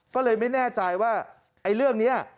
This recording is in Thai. ก็เลยไม่แน่ใจว่าไอ้เรื่องนี้